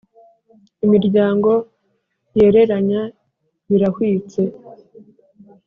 Imiryango, yereranye birahwitse